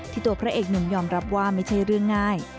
ตัวพระเอกหนุ่มยอมรับว่าไม่ใช่เรื่องง่าย